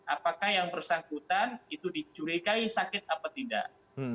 apakah yang bersangkutan itu dicurigai sakit apa tidak